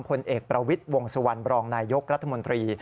ผลเอกประวิทย์วงสุวรรณบรองนายยกรัฐมนตรี